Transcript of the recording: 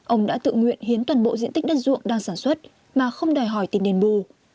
ông đã tự nguyện hiến toàn bộ diện tích đất ruộng đang sản xuất mà không đòi hỏi tiền đền bù